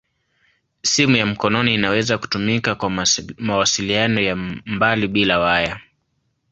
Simu ya mkononi inaweza kutumika kwa mawasiliano ya mbali bila waya.